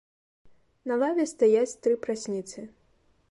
На лаве стаяць тры прасніцы.